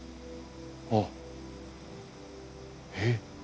あっえっ？